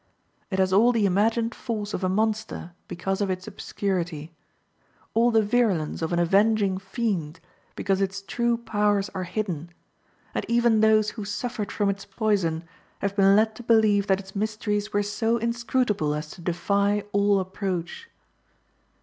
It has all the imagined force of a monster, because of its obscurity; all the virulence of an avenging fiend, because its true powers are hidden; and even those who suffered from its poison have been led to believe that its mysteries were so inscrutable as to defy all approach.